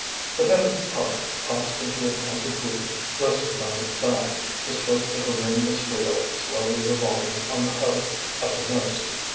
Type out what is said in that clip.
The peasant's cart, tossed into a clump of weeds, rested on its side, the spokes of a rimless wheel slowly revolving on the hub uppermost.